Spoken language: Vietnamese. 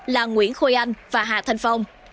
là nguyễn khôi anh và hà thanh phong